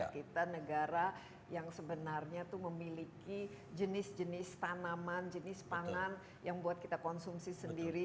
kita negara yang sebenarnya itu memiliki jenis jenis tanaman jenis pangan yang buat kita konsumsi sendiri